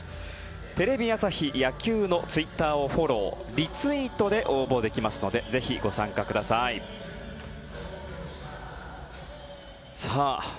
テレビ朝日野球のツイッターをフォローリツイートで応募できますのでぜひ、ご参加ください。